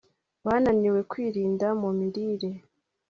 Bananiwe kwirinda mu mirire